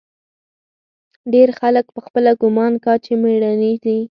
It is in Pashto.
ډېر خلق پخپله ګومان کا چې مېړني دي.